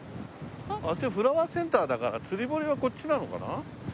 フラワーセンターだから釣り堀はこっちなのかな？